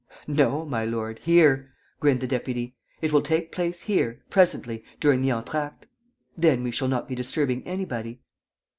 "No, my lord, here," grinned the deputy. "It will take place here, presently, during the entr'acte. Then we shall not be disturbing anybody."